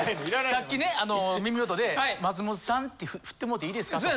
さっきね耳元で「松本さん」ってふってもうていいですかと。